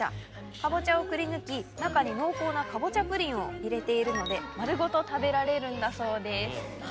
かぼちゃをくりぬき中に濃厚なかぼちゃプリンを入れているので丸ごと食べられるんだそうです。